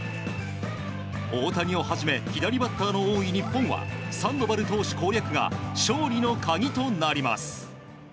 大谷をはじめ左バッターの多い日本はサンドバル投手攻略が勝利への鍵になります。